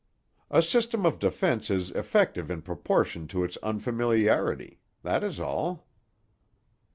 "A system of defense is effective in proportion to its unfamiliarity. That is all."